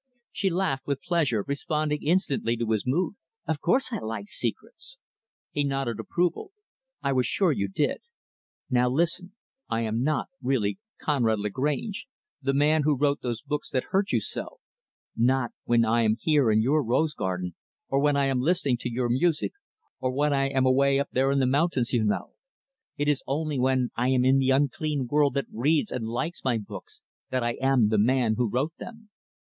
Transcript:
She laughed with pleasure responding instantly to his mood. "Of course I like secrets." He nodded approval. "I was sure you did. Now listen I am not really Conrad Lagrange, the man who wrote those books that hurt you so not when I am here in your rose garden, or when I am listening to your music, or when I am away up there in your mountains, you know. It is only when I am in the unclean world that reads and likes my books that I am the man who wrote them."